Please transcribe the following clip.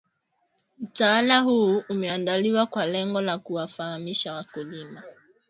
Mtaala huu umeandaliwa kwa lengo la kuwafahamisha wakulima